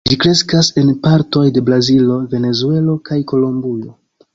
Ĝi kreskas en partoj de Brazilo, Venezuelo kaj Kolombio.